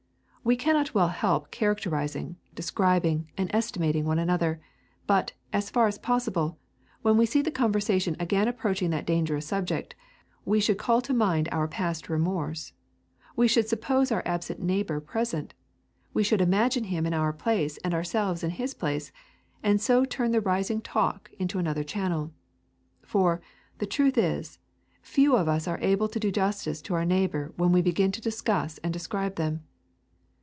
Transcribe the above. We cannot well help characterising, describing, and estimating one another. But, as far as possible, when we see the conversation again approaching that dangerous subject, we should call to mind our past remorse; we should suppose our absent neighbour present; we should imagine him in our place and ourselves in his place, and so turn the rising talk into another channel. For, the truth is, few of us are able to do justice to our neighbour when we begin to discuss and describe him.